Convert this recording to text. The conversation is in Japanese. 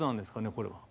これは。